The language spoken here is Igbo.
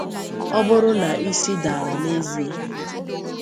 ọ bụrụ na isi dara n'ezie